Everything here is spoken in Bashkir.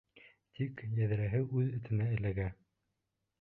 Тик... йәҙрәһе үҙ этенә эләгә.